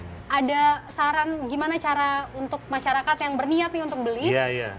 ada saran gimana cara untuk masyarakat yang berniat nih untuk beli